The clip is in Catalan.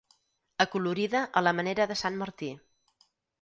Acolorida a la manera de sant Martí.